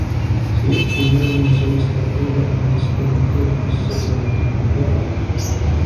سيأتي يوم سنستطيع أن نستمتع بالسفر في الفضاء.